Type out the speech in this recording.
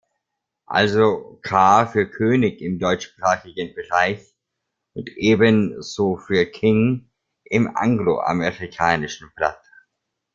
Also „K“ für "König" im deutschsprachigen Bereich und ebenso für "king" im anglo-amerikanischen Blatt.